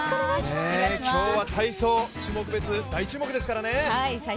今日は、体操種目別大注目ですからね。